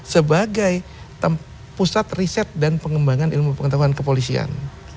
sebagai pusat riset dan pengembangan ilmu pengetahuan kepolisian